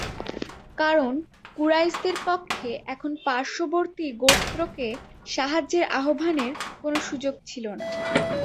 কারণ, কুরাইশদের পক্ষে এখন পার্শবর্তী গোত্রকে সাহায্যের আহ্বানের কোন সুযোগ ছিল না।